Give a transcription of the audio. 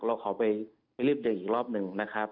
เราขอไปรีบเดินอีกรอบหนึ่งนะครับ